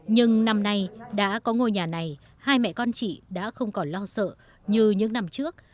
nhưng năm nay đã có ngôi nhà này hai mẹ con chị đã không còn lo sợ như những năm trước